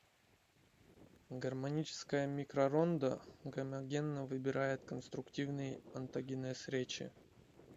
Гармоническое микророндо гомогенно выбирает конструктивный онтогенез речи.